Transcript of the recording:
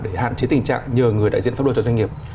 để hạn chế tình trạng nhờ người đại diện pháp luật cho doanh nghiệp